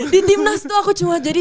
di timnas tuh aku cuma jadi